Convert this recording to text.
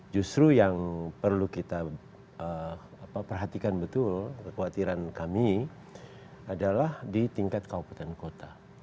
justru yang perlu kita perhatikan betul kekhawatiran kami adalah di tingkat kabupaten kota